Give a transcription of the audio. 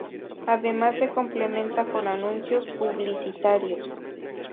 Además se complementa con anuncios publicitarios.